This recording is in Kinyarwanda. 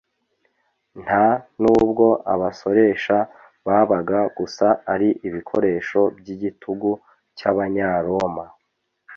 nta nubwo abasoresha babaga gusa ari ibikoresho by’igitugu cy’abanyaroma,